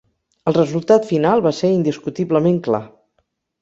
El resultat final va ser indiscutiblement clar.